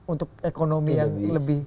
untuk ekonomi yang lebih